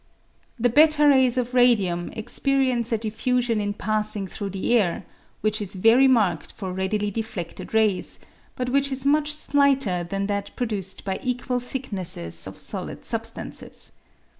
The ^.■i r^ys of radium experience a diffusion in passing through the air, which is very marked for readily defledted rays, but which is much slighter than that produced by equal thicknesses of solid substances.